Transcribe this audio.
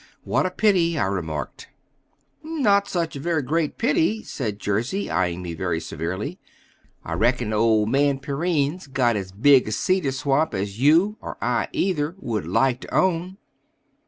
"What a pity!" I remarked. "Not such a very great pity," said Jersey, eying me very severely. "I reckon old man Perrine's got as big a cedar swamp as you, or I either, would like to own."